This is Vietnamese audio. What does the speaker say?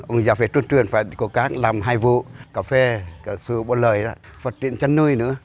ông giàu phải truyền truyền phải cố gắng làm hai vụ cà phê sưu bộ lời vật truyền chăn nuôi nữa